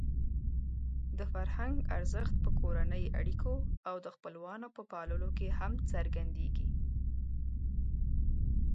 د فرهنګ ارزښت په کورنۍ اړیکو او د خپلوانو په پاللو کې هم څرګندېږي.